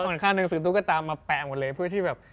อีกข้างหนึ่งซื้อตุ๊กตามาแปะหมดเลยเพื่อที่แบบ